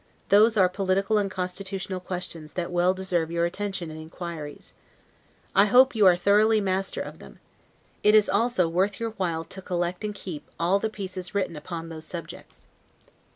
Those are political and constitutional questions that well deserve your attention and inquiries. I hope you are thoroughly master of them. It is also worth your while to collect and keep all the pieces written upon those subjects.